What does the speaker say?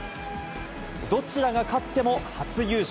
どちらが勝っても初優勝。